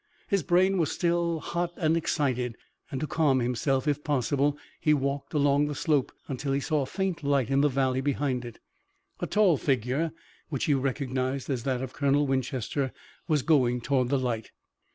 His brain was still hot and excited, and to calm himself if possible he walked along the slope until he saw a faint light in the valley behind it. A tall figure, which he recognized as that of Colonel Winchester, was going toward the light.